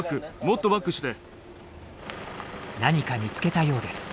何か見つけたようです。